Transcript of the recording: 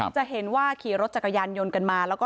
จะเห็นว่าขี่รถจักรยันต์ยนต์กันมา